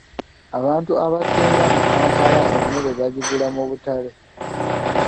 Abantu abasinga mu Kampala emmere bagigula mu butale.